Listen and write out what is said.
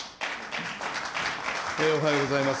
おはようございます。